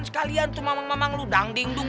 sekalian tuh mamang mamang lu dangdingdung